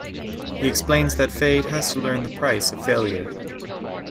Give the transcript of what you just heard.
He explains that Feyd has to learn the price of failure.